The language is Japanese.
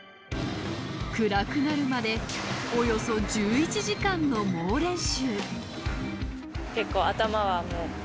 暗くなるまでおよそ１１時間の猛練習。